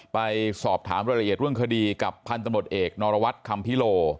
ไปสอบถามรายละเอียดเรื่องคดีกับพันธุ์ตำรวจเอกนอรวัตคัมภิโล